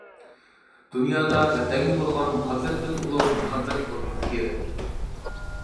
دۇنيادا ۋەتەنگە بولغان مۇھەببەتتىن ئۇلۇغ مۇھەببەت بولمىسا كېرەك.